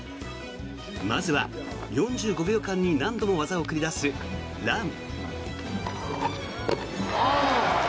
まずは、４５秒間に何度も技を繰り出す、ラン。